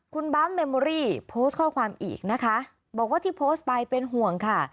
คุณบั๊มเมมโมรี่โพสต์ข้อความอีกนะคะบอกว่าที่โพสต์ไปเป็นห่วงค่ะ